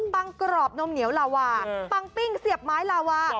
บางกรอบนมเหนียวลาวาปังปิ้งเสียบไม้ลาวา